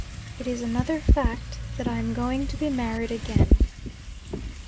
'It is another fact, that I am going to be married again.'